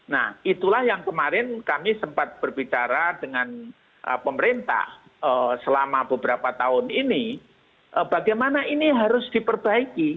nah itulah yang kemarin kami sempat berbicara dengan pemerintah selama beberapa tahun ini bagaimana ini harus diperbaiki